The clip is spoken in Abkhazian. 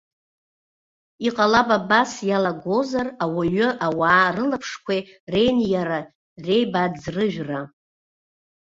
Иҟалап абас иалагозар ауаҩи ауаа рылаԥшқәеи реиниара, реибаӡрыжәра.